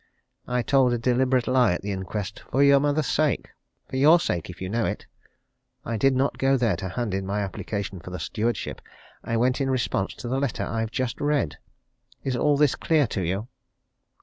I told a deliberate lie at the inquest, for your mother's sake for your sake, if you know it. I did not go there to hand in my application for the stewardship I went in response to the letter I've just read. Is all this clear to you?"